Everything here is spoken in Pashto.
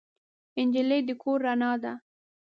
نجلۍ د کور رڼا ده.